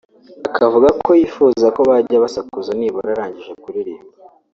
akavuga ko yifuza ko bajya basakuza nibura arangije kuririmba